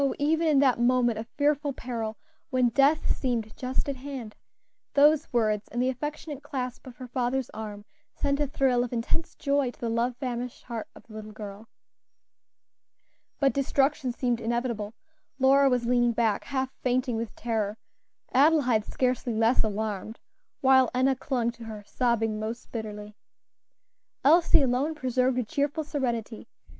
even in that moment of fearful peril, when death seemed just at hand, those words, and the affectionate clasp of her father's arm, sent a thrill of intense joy to the love famished heart of the little girl. But destruction seemed inevitable. Lora was leaning back, half fainting with terror; Adelaide scarcely less alarmed, while Enna clung to her, sobbing most bitterly. Elsie alone preserved a cheerful serenity.